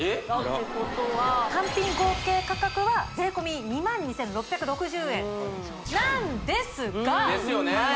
てことは単品合計価格は税込２２６６０円ですよね